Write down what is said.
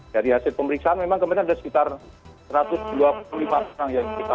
jadi hasil pemeriksaan memang kemarin ada sekitar satu ratus dua puluh lima orang yang diperiksa